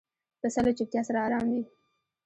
پسه له چوپتیا سره آرام وي.